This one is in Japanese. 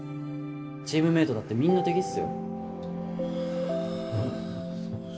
チームメイトだってみんな敵っすよ